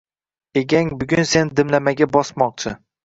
– Egang bugun seni dimlamaga bosmoqchi